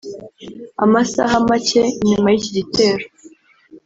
Amasaha macye nyuma y’iki gitero